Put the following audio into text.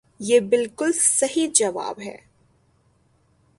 یہ بلکل صحیح جواب ہے۔